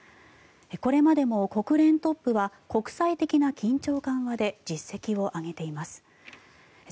これまでも国連トップは国際的な緊張緩和で実績を上げています。